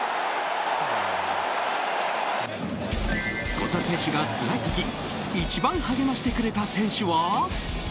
権田選手がつらい時一番励ましてくれた選手は？